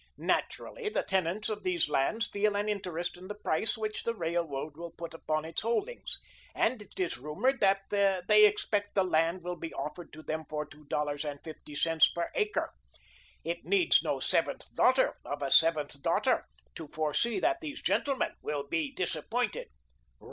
Naturally, the tenants of these lands feel an interest in the price which the railroad will put upon its holdings, and it is rumoured they expect the land will be offered to them for two dollars and fifty cents per acre. It needs no seventh daughter of a seventh daughter to foresee that these gentlemen will be disappointed."